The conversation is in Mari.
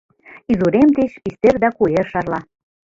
Изурем тич пистер да куэр шарла.